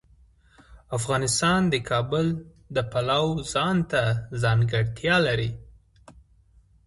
افغانستان د کابل د پلوه ځانته ځانګړتیا لري.